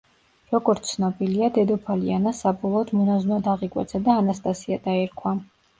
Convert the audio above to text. როგორც ცნობილია დედოფალი ანა საბოლოოდ მონაზვნად აღიკვეცა და ანასტასია დაირქვა.